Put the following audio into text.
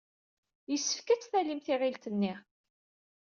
Yessefk ad talyem tiɣilt-nni.